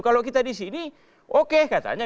kalau kita di sini oke katanya